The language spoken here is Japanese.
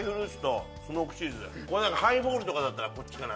ハイボールとかだったらこっちかな？